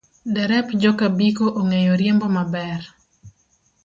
Derep joka Biko ong'eyo riembo maber.